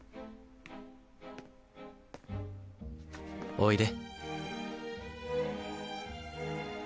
おいで。